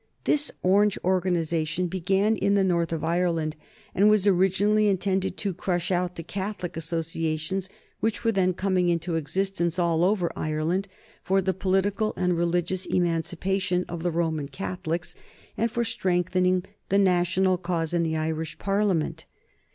This Orange organization began in the North of Ireland, and was originally intended to crush out the Catholic associations which were then coming into existence all over Ireland for the political and religious emancipation of the Roman Catholics, and for strengthening the national cause in the Irish Parliament.